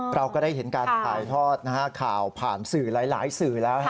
เราก็ได้เห็นการถ่ายทอดข่าวผ่านสื่อหลายสื่อแล้ว